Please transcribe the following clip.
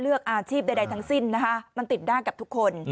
เลือกอาชีพใดทั้งสิ้นนะฮะมันติดหน้ากับทุกคน